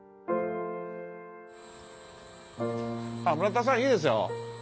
あっ村田さんいいですよ。